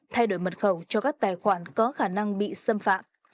thay đổi mật khẩu cho các tài khoản có khả năng bị xâm phạm